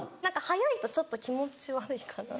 早いとちょっと気持ち悪いかな。